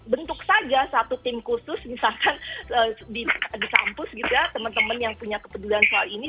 bentuk saja satu tim khusus misalkan di kampus gitu ya teman teman yang punya kepedulian soal ini